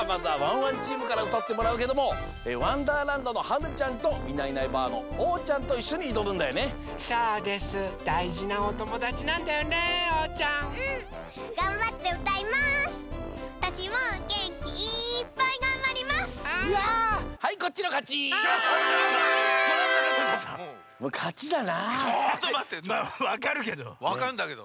わかんだけど。